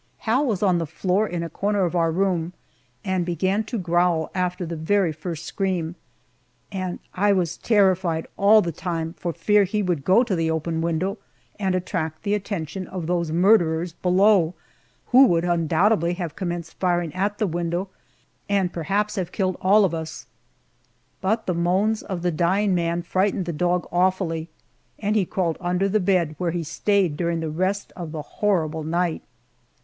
Hal was on the floor in a corner of our room, and began to growl after the very first scream, and I was terrified all the time for fear he would go to the open window and attract the attention of those murderers below, who would undoubtedly have commenced firing at the window and perhaps have killed all of us. But the moans of the dying man frightened the dog awfully, and he crawled under the bed, where he stayed during the rest of the horrible night.